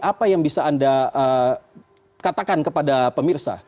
apa yang bisa anda katakan kepada pemirsa